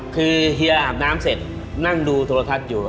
คือเฮียอาบน้ำเสร็จนั่งดูโทรทัศน์อยู่